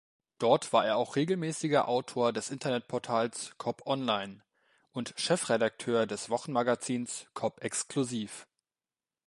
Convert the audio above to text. Dort war er auch regelmäßiger Autor des Internetportals "Kopp-Online" und Chefredakteur des Wochenmagazins "Kopp-Exklusiv".